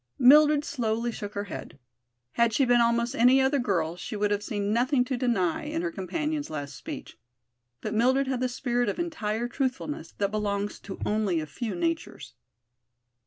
Mildred slowly shook her head. Had she been almost any other girl, she would have seen nothing to deny in her companion's last speech. But Mildred had the spirit of entire truthfulness that belongs to only a few natures.